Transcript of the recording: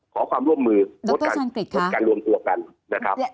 ขอความร่วมมือรวดกันรวดกันรวมทั่วกันนะครับ